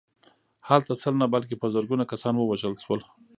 هلته سل نه بلکې په زرګونه کسان ووژل شول